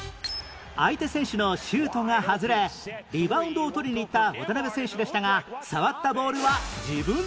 相手選手のシュートが外れリバウンドを取りに行った渡邊選手でしたが触ったボールは自分のゴールへ